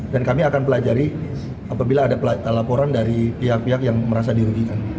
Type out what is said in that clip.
dan kami akan pelajari apabila ada laporan dari pihak pihak yang merasa dirugikan